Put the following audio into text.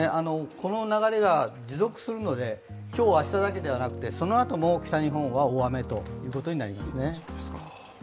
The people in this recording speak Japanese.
この流れが持続するので今日、明日だけではなくてそのあとも北日本は大雨ということになりますね。